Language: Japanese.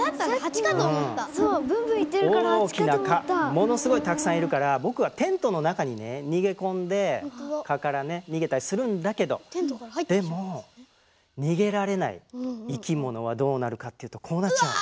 ものすごいたくさんいるから僕はテントの中にね逃げ込んで蚊からね逃げたりするんだけどでも逃げられない生き物はどうなるかっていうとこうなっちゃうの。